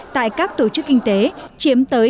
tại các tổ chức kinh tế chiếm tới hai mươi năm